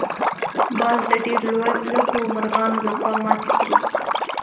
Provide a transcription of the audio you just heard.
باز د ډېر لږو مرغانو لخوا ماتې خوري